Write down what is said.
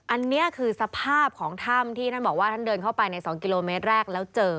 อันนี้คือสภาพของถ้ำที่ท่านบอกว่าท่านเดินเข้าไปใน๒กิโลเมตรแรกแล้วเจอ